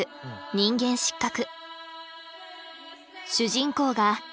「人間失格」。